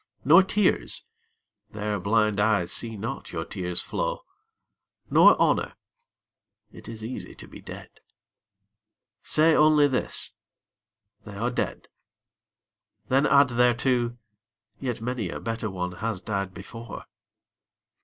Nor tears. Their blind eyes see not your tears flow. Nor honour. It is easy to be dead. Say only this, " They are dead." Then add thereto, " Yet many a better one has died before."